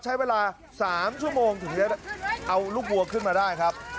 ใช้เวลา๓ชั่วโมงถึงจะเอาลูกวัวขึ้นมาได้ครับ